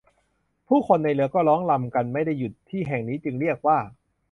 ผู้คนในเรือก็ร้องรำกันไม่ได้หยุดที่แห่งนี้จึงเรียกว่า